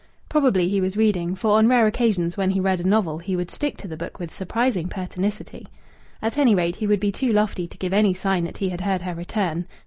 Probably he was reading, for on rare occasions when he read a novel he would stick to the book with surprising pertinacity. At any rate, he would be too lofty to give any sign that he had heard her return.